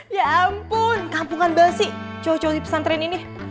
ya ampun kampungan belsi cowok cowok di pesantren ini